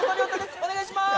お願いします！